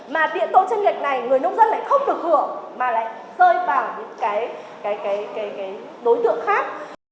mà tiện tổ chân nhận này người nông dân lại không được hưởng mà lại rơi vào những đối tượng khác